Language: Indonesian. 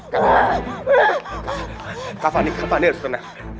kak fani kak fani harus tenang